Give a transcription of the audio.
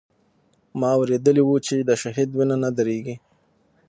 ما اورېدلي و چې د شهيد وينه نه درېږي.